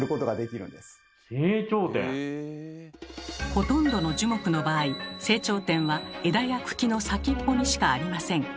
ほとんどの樹木の場合成長点は枝や茎の先っぽにしかありません。